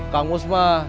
kang mus mah